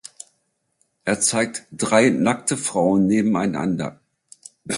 Er zeigt drei nackte Frauen nebeneinander.